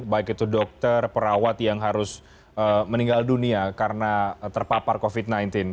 baik itu dokter perawat yang harus meninggal dunia karena terpapar covid sembilan belas